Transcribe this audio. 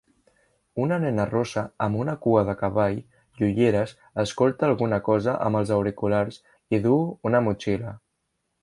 Una nena rossa amb una cua de cavall i ulleres escolta alguna cosa amb els auriculars i duu una motxilla.